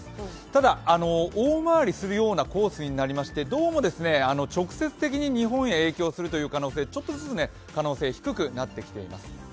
ただ大回りするようなコースになりましてどうも直接的に日本へ影響する可能性はちょっとずつ、可能性低くなってきています。